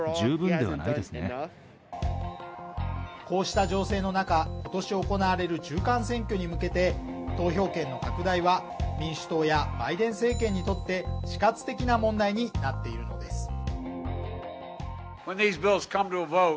こうした情勢の中今年行われる中間選挙に向けて投票権の拡大は民主党やバイデン政権にとって死活的な問題になっているのです。